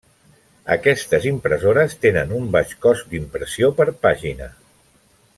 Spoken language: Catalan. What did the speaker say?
Aquestes impressores tenen un baix cost d'impressió per pàgina.